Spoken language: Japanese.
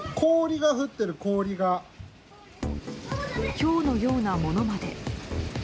ひょうのようなものまで。